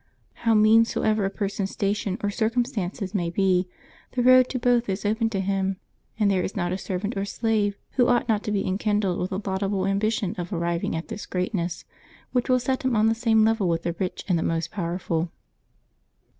How mean soever a person's station or circumstances may be, the road to both is open to him ; and there is not a servant or slave who ought not to be enkindled with a laudable ambition of arriving at this greatness, which will set him on the same level with the rich and the most powerful.